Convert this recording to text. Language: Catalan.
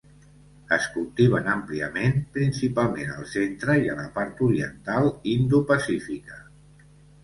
Es cultiven àmpliament principalment al centre i la part oriental Indo-Pacífica.